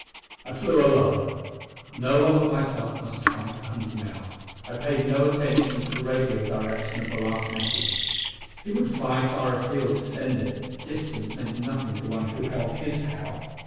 I flew alone; no one but myself must try to hunt him out. I paid no attention to the radio direction of the last message; he would fly far afield to send it; distance meant nothing to one who held his power.